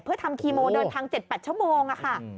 เพื่อทำคีโมเดินทาง๗๘ชั่วโมงค่ะ